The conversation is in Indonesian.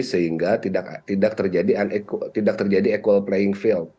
sehingga tidak terjadi equal playing field